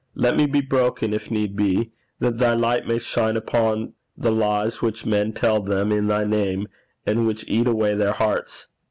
Let me be broken if need be, that thy light may shine upon the lies which men tell them in thy name, and which eat away their hearts.'